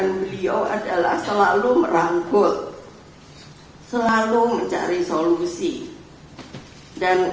terima kasih atas rencana